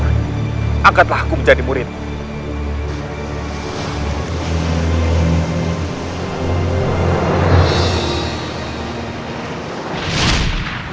angkatlah aku menjadi muridmu